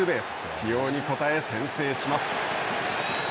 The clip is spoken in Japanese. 起用に応え、先制します。